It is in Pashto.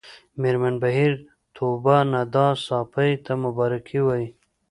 مېرمن بهیر طوبا ندا ساپۍ ته مبارکي وايي